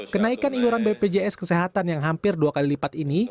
kenaikan iuran bpjs kesehatan yang hampir dua kali lipat ini